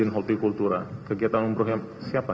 dirjen holdi kultura kegiatan umrohnya siapa